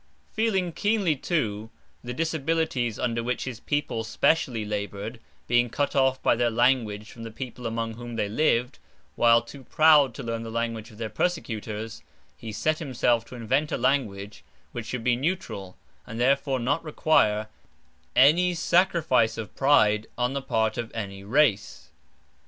Feeling keenly, too, the disabilities under which his people specially laboured, being cut off by their language from the people among whom they lived, while too proud to learn the language of their persecutors, he set himself to invent a language which should be neutral and therefore not require any sacrifice of pride on the part of any race.